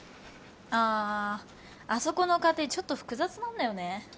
あああそこの家庭ちょっと複雑なんだよね